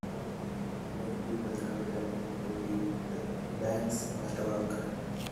Many people consider it to be the band's masterwork.